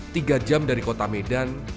tiga jam dari kota medan